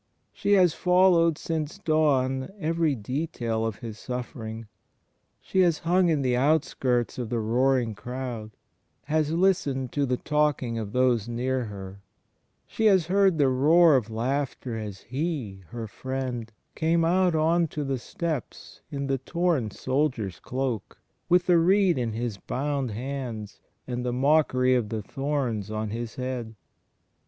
She has followed since dawn every detail of His suffering. She has himg in the outskirts of the roaring crowd; has listened to the talking of those near her; she has heard the roar of laughter as He, her Friend, came out on to the steps, in the torn soldier's cloak, with the reed in His bound Hands and the mockery of the thorns on His Head.